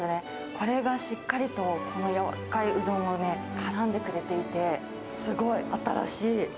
これがしっかりと、この柔らかいうどんにね、からんでくれていて、すごい新しい。